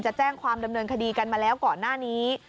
จะแจ้งความดำเนินคดีกันมาแล้วก่อนหน้านี้